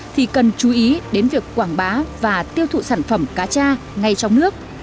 thì cần chú ý đến việc quảng bá và tiêu thụ sản phẩm cá cha ngay trong nước